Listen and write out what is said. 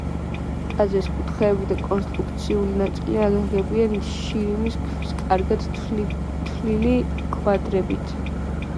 ტაძრის კუთხეები და კონსტრუქციული ნაწილები ნაგებია შირიმის ქვის კარგად თლილი კვადრებით.